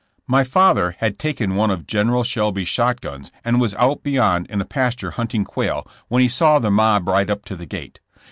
My father had taken one of General Shelby's shot guns and was out beyond in a pasture hunting quail when he saw the mob ride up to the gate.